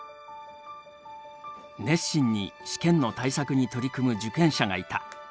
熱心に試験の対策に取り組む受験者がいた。